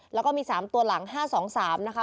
แล้วก็มี๓ตัวหลัง๕๒๓นะคะ